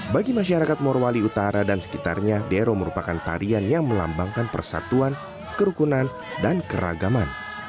bagi masyarakat morwali utara dan sekitarnya dero merupakan tarian yang melambangkan persatuan kerukunan dan keragaman